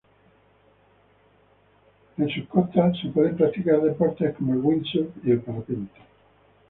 En sus costas se pueden practicar deportes como el windsurf y el parapente.